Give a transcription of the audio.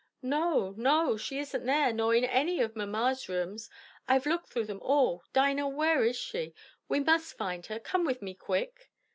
"No, no, she isn't there, nor in any of mamma's rooms. I've looked through them all. Dinah where is she? We must find her: come with me, quick!"